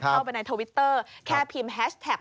เข้าไปในทวิตเตอร์แค่พิมพ์แฮชแท็ก